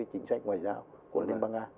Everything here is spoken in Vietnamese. chính sách ngoại giao của liên bang nga